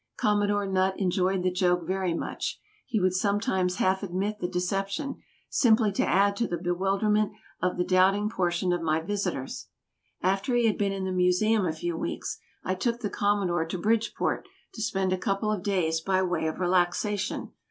Commodore Nutt enjoyed the joke very much. He would sometimes half admit the deception, simply to add to the bewilderment of the doubting portion of my visitors. After he had been in the Museum a few weeks, I took the Commodore to Bridgeport to spend a couple of days by way of relaxation.